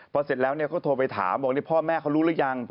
พอเสร็จแล้วเนี่ยเขาโทรไปถามบอกว่าพ่อแม่เขารู้หรือยัง